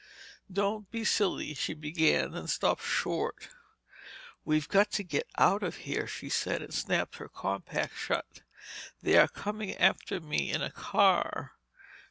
"Don't be silly!" she began, then stopped short. "We've got to get out of here," she said and snapped her compact shut. "They are coming after me in a car.